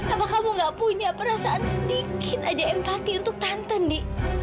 apa kamu gak punya perasaan sedikit aja empati untuk tante di